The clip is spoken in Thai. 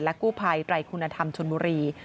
กู้ภัยไตรคุณธรรมชนบุรี